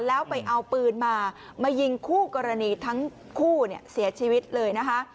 แล้วไปเอาปืนมามายิงคู่กรณีทั้งคู่เนี่ยเสียชีวิตเลยนะคะ